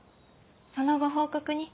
そのご報告に。